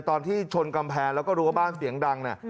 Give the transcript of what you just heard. แต่ตอนที่ชนกำแพงแล้วก็รู้ว่าบ้านเสียงดัง